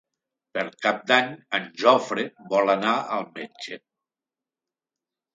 Per Cap d'Any en Jofre vol anar al metge.